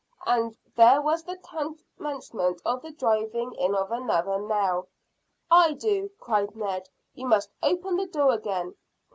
and there was the commencement of the driving in of another nail. "I do," cried Ned. "You must open the door again."